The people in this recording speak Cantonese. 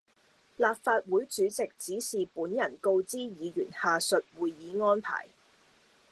立法會主席指示本人告知議員下述會議安排